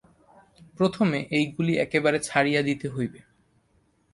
প্রথমে এইগুলি একেবারে ছাড়িয়া দিতে হইবে।